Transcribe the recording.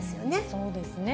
そうですね。